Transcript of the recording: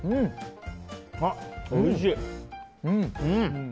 おいしい！